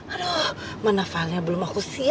aduh mana file nya belum aku siapin